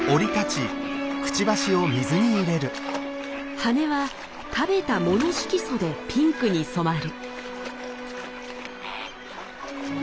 羽は食べた藻の色素でピンクに染まる。